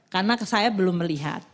karena saya belum melihat